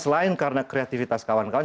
selain karena kreativitas kawan kawan